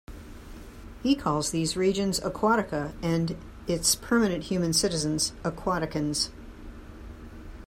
He calls these regions "Aquatica" and its permanent human citizens "Aquaticans".